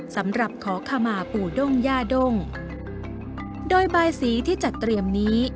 สำหรับขอขมาปู่ด้งย่าด้งโดยบายสีที่จัดเตรียมนี้